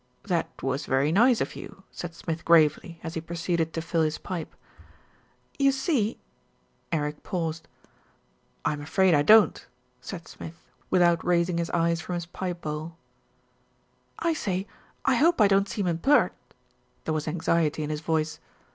"That was very nice of you," said Smith gravely, as he proceeded to fill his pipe. "You See " Eric paused. 262 THE RETURN OF ALFRED "I'm afraid I don't," said Smith without raising his eyes from his pipe bowl. "I say, I hope I don't seem impert" There was anxiety in his voice.